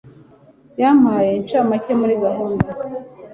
Yampaye incamake muri gahunda.